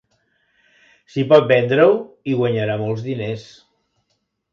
Si pot vendre-ho, hi guanyarà molts diners.